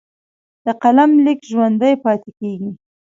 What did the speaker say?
د قلم لیک ژوندی پاتې کېږي.